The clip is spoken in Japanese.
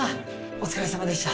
お疲れさまでした。